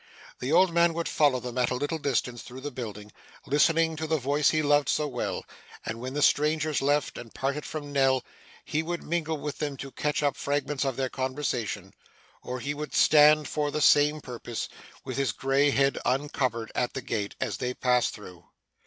The old man would follow them at a little distance through the building, listening to the voice he loved so well; and when the strangers left, and parted from Nell, he would mingle with them to catch up fragments of their conversation; or he would stand for the same purpose, with his grey head uncovered, at the gate as they passed through.